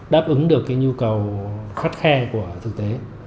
đáp ứng được nhu cầu khắt khen của thực tế